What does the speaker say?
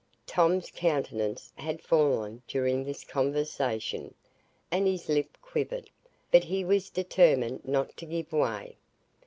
Tom's countenance had fallen during this conversation, and his lip quivered; but he was determined not to give way.